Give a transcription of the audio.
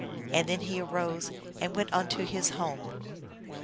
And then he arose and went unto his home.